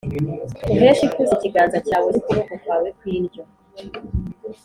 uheshe ikuzo ikiganza cyawe, n’ukuboko kwawe kw’indyo.